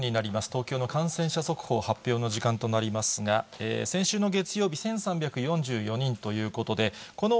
東京の感染者速報、発表の時間となりますが、先週の月曜日、１３４４人ということで、この